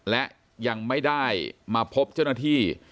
และยังไม่ได้มาพบเจ้าหน้าที่